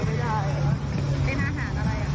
ติดต่อลูกค้าไม่ได้